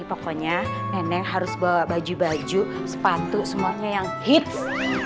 pokoknya nenek harus bawa baju baju sepatu semuanya yang hits